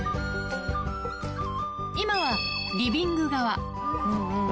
今はリビング側。